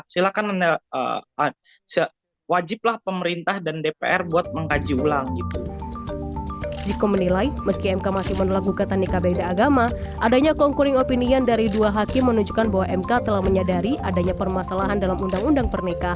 silahkan wajiblah pemerintah dan dpr buat mengkaji ulang